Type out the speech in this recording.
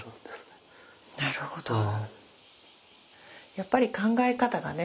やっぱり考え方がね